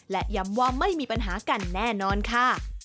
และย้ำว่าไม่มีปัญหากันแน่นอนค่ะ